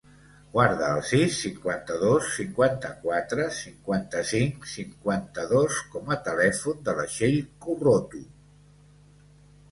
Guarda el sis, cinquanta-dos, cinquanta-quatre, cinquanta-cinc, cinquanta-dos com a telèfon de la Txell Corroto.